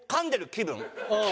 「気分」。